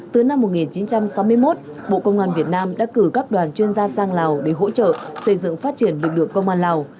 từ năm một nghìn chín trăm sáu mươi một bộ công an việt nam đã cử các đoàn chuyên gia sang lào để hỗ trợ xây dựng phát triển lực lượng công an lào